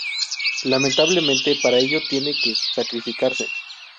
Lamentablemente, para ello, tienen que sacrificarse.